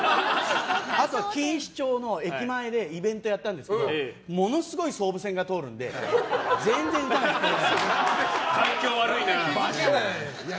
あとは錦糸町の駅前でイベントやったんですけどものすごい総武線が通るので環境悪いな。